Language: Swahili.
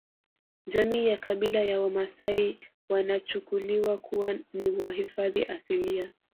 Jamii ya kabila la wamasai wanachukuliwa kuwa ni wahifadhi asilia